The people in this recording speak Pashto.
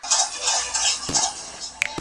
چې موږه ولې تبعید شوي یو له باغوطنه؟